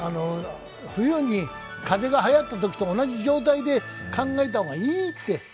冬に風邪がはやったときと同じ状態で考えた方がいいって。